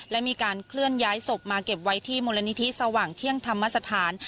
และมีการเคลื่อนย้ายศพมาเก็บไว้ที่มูลนิธิสว่างเที่ยงธรรมสถาน